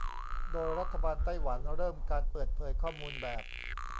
โดยรัฐบาลไต้หวันเริ่มการเปิดเผยข้อมูลแบบ